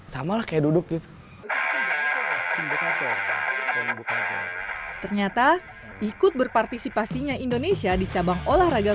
sama lah kayak duduk gitu ternyata ikut berpartisipasinya indonesia di cabang olahraga